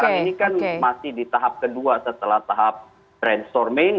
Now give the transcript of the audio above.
karena ini kan masih di tahap kedua setelah tahap brainstorming